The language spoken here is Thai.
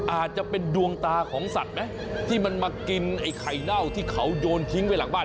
อาจจะเป็นดวงตาของสัตว์ไหมที่มันมากินไอ้ไข่เน่าที่เขาโยนทิ้งไว้หลังบ้าน